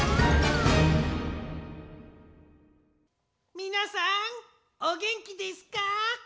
みなさんおげんきですか？